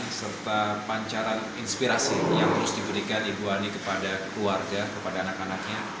dan kecerian serta pancaran inspirasi yang harus diberikan ibu ani kepada keluarga kepada anak anaknya